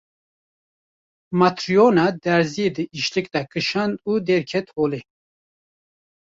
Matryona derziyê di îşlik de çikand û derket holê.